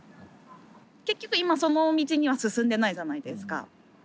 結局今その道には進んでないじゃないですか。